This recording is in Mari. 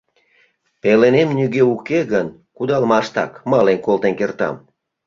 Пеленем нигӧ уке гын, кудалмаштак мален колтен кертам.